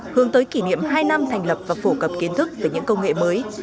hướng tới kỷ niệm hai năm thành lập và phổ cập kiến thức về những công nghệ mới